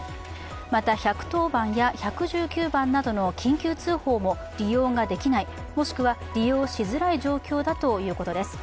また、１１０番や１１９番などの緊急通報も利用ができない、もしくは利用しづらい状況だということです。